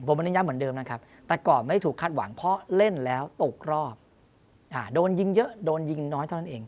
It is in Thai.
ผมเน้นย้ำเหมือนเดิมนะครับแต่ก่อนไม่ถูกคาดหวังเพราะเล่นแล้วตกรอบโดนยิงเยอะโดนยิงน้อยเท่านั้นเอง